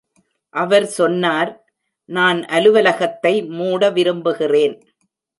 அவர் சொன்னார்: நான் அலுவலகத்தை மூட விரும்புகிறேன்.